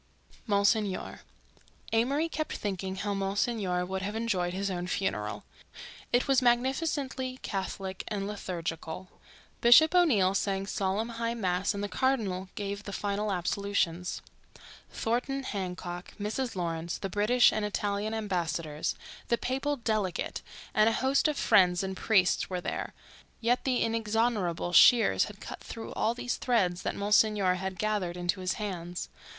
MONSIGNOR Amory kept thinking how Monsignor would have enjoyed his own funeral. It was magnificently Catholic and liturgical. Bishop O'Neill sang solemn high mass and the cardinal gave the final absolutions. Thornton Hancock, Mrs. Lawrence, the British and Italian ambassadors, the papal delegate, and a host of friends and priests were there—yet the inexorable shears had cut through all these threads that Monsignor had gathered into his hands.